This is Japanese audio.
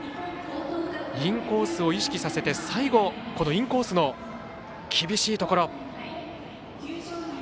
インコースを意識させて最後、インコースの厳しいところ。